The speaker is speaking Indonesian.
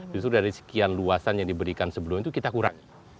justru dari sekian luasan yang diberikan sebelum itu kita kurangi